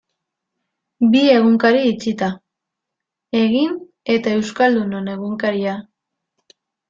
Bi egunkari itxita, Egin eta Euskaldunon Egunkaria.